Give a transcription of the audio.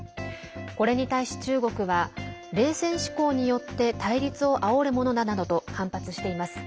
これに対し中国は冷戦思考によって対立をあおるものだなどと反発しています。